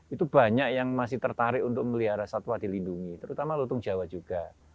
itu banyak yang masih tertarik untuk melihara satwa dilindungi terutama lutung jawa juga